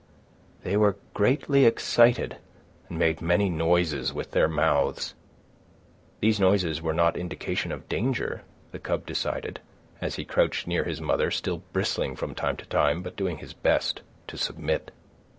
They were greatly excited, and made many noises with their mouths. These noises were not indication of danger, the cub decided, as he crouched near his mother still bristling from time to time but doing his best to submit.